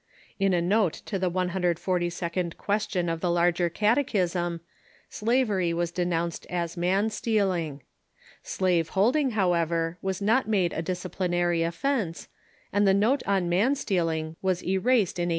In a note to the 142d question of the Larger Catechism, slavery was denoiuiced as man stealing. Slave holding, however, was not made a disciplinarj^ offence, and the note on man stealing was erased in 1816.